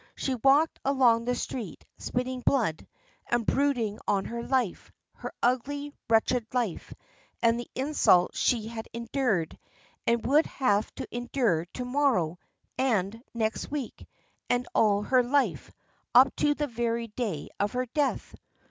She walked along the street, spitting blood, and brooding on her life, her ugly, wretched life, and the insults she had endured, and would have to endure to morrow, and next week, and all her life, up to the very day of her death.